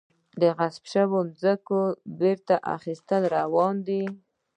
د غصب شویو ځمکو بیرته اخیستل روان دي؟